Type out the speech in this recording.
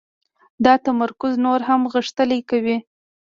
دا تمرکز نور هم غښتلی کوي